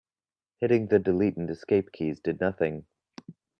Hitting the delete and escape keys did nothing.